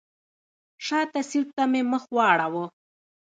شاته سیټ ته مې مخ واړوه.